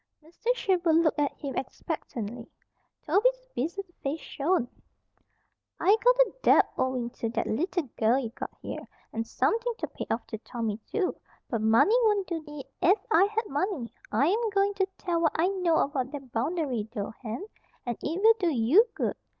Mr. Sherwood looked at him expectantly. Toby's "wizzled" face shone. "I got a debt owin' to that leetle gal you got here, and somethin' to pay off to Tommy, too. But money won't do it, ef I had money. I am goin' to tell what I know about that boundary, though, Hen, and it will do YOU good!